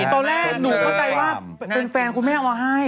ตอนแรกหนูเข้าใจว่าเป็นแฟนคุณแม่เอามาให้